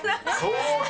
そうか。